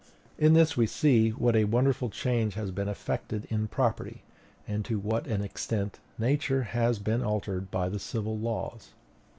In this we see what a wonderful change has been effected in property, and to what an extent Nature has been altered by the civil laws."